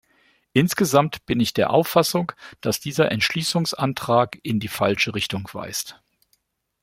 Insgesamt bin ich der Auffassung, dass dieser Entschließungsantrag in die falsche Richtung weist.